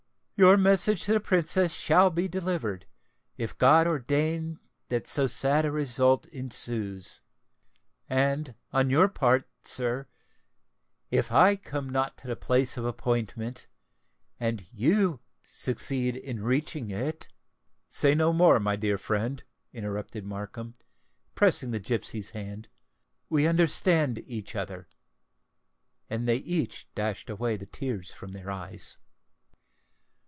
"Your message to the Princess shall be delivered—if God ordain that so sad a result ensues. And, on your part, sir—if I come not to the place of appointment, and you succeed in reaching it——" "Say no more, my dear friend," interrupted Markham, pressing the gipsy's hand; "we understand each other!" And they each dashed away the tears from their eyes.